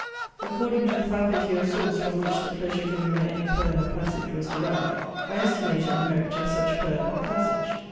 According to the faculty or source, from which the pleasure given by any poem or passage was derived, I estimated the merit of such poem or passage.